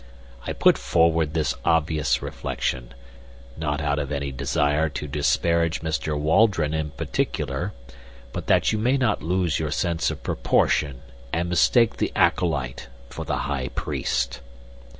I put forward this obvious reflection, not out of any desire to disparage Mr. Waldron in particular, but that you may not lose your sense of proportion and mistake the acolyte for the high priest."